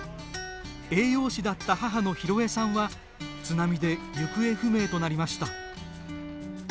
栄養士だった母の弘江さんは津波で行方不明となりました。